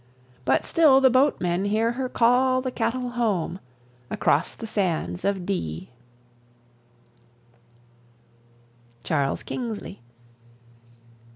But still the boatmen hear her call the cattle home Across the sands of Dee. CHARLES KINGSLEY.